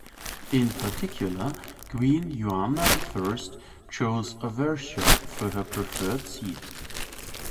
In particular Queen Joanna I chose Aversa for her preferred seat.